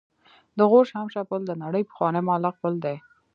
د غور شاهمشه پل د نړۍ پخوانی معلق پل دی